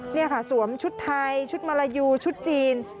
นี่ค่ะสวมชุดไทยชุดมาลายูชุดจีน